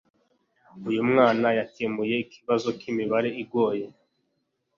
uyu mwana yakemuye ikibazo cyimibare igoye